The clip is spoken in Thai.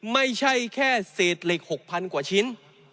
ไม่ใช่แค่เศษเหล็ก๖๐๐๐กว่าชิ้น